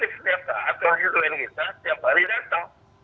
konstituen kita setiap hari datang